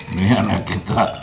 ini anak kita